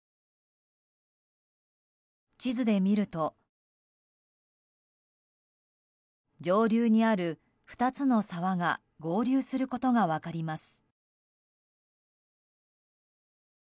地図で見ると上流にある２つの沢が合流することが分かります。